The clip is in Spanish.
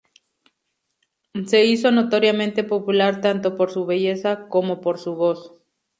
Se hizo notoriamente popular tanto por su belleza como por su voz.